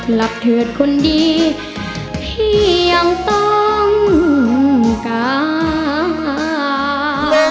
เถิดคนดีพี่ยังต้องการ